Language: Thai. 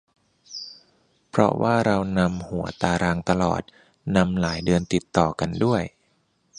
เพราะว่าเรานำหัวตารางตลอด นำหลายเดือนติดต่อกันด้วย